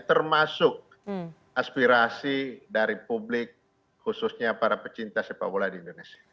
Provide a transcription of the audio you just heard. termasuk aspirasi dari publik khususnya para pecinta sepak bola di indonesia